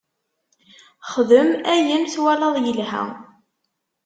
Xdem ayen twalaḍ yelha.